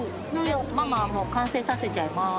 ママはもうかんせいさせちゃいます。